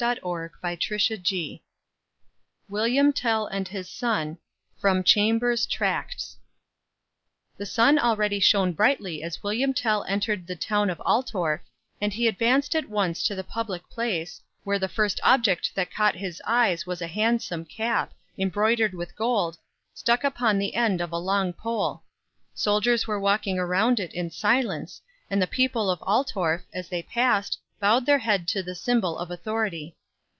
HELEN HUNT JACKSON WILLIAM TELL AND HIS SON The sun already shone brightly as William Tell entered the town of Altorf, and he advanced at once to the public place, where the first object that caught his eyes was a handsome cap, embroidered with gold, stuck upon the end of a long pole. Soldiers were walking around it in silence, and the people of Altorf, as they passed, bowed their head to the symbol of authority.